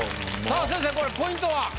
さあ先生これポイントは？